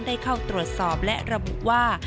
ได้เข้าตรวจสอบและระบุว่า